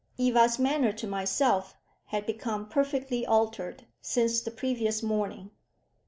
Eva's manner to myself had become perfectly altered since the previous morning.